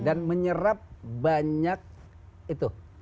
dan menyerap banyak itu